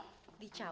terima kasih pak